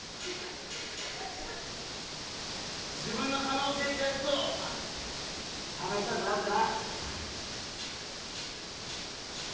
自分の可能性ってやつを試したくなってな。